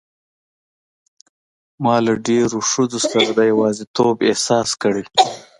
ما له ډېرو ښځو سره د یوازیتوب احساس کړی.